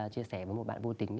chia sẻ với một bạn vô tính